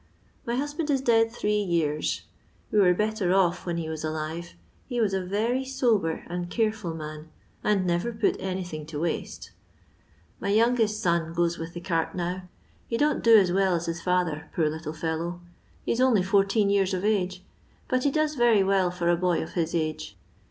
My husband is dead three years ; we were better eff when he was alive; he was a yery sober aad careful man, and never put anything to waste. My youngest son goes with the cart now; heden't do as wdl as his fiither, poor little £bUow! he Is only fourteen years of ap, but he doee veiy well for a boy of his age.